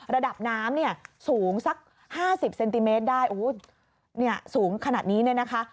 ระดับน้ำเนี่ยสูงสัก๕๐เซนติเมตรได้สูงขนาดนี้เนี่ยนะคะ